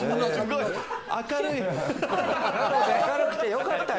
明るくてよかったよ。